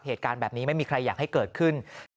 เหตุการณ์แบบนี้ไม่มีใครอยากให้เกิดขึ้น